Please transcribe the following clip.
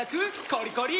コリコリ！